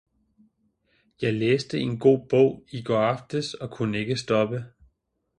Jeg læste en god bog i går aftes og kunne ikke stoppe.